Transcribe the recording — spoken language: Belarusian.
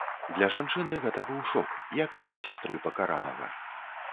Для жанчыны гэта быў шок, як і для сястры пакаранага.